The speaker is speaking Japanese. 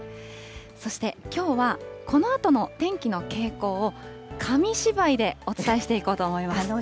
そして、きょうは、このあとの天気の傾向を紙芝居でお伝えしていこうと思います。